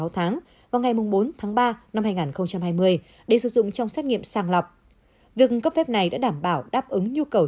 sáu tháng vào ngày bốn tháng ba năm hai nghìn hai mươi để sử dụng trong xét nghiệm sàng lọc việc cấp phép này đã đảm bảo đáp ứng nhu cầu